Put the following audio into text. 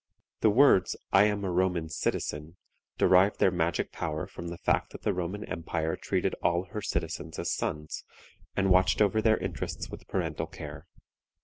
The words "I am a Roman citizen" derived their magic power from the fact that the Roman Empire treated all her citizens as sons, and watched over their interests with parental care.